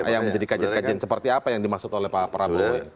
yang menjadi kajian kajian seperti apa yang dimaksud oleh pak prabowo